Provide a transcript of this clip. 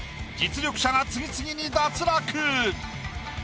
実力者が次々に脱落。